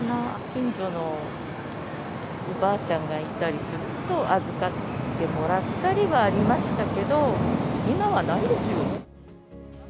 近所のおばあちゃんがいたりすると、預かってもらったりはありましたけど、今はないですよね。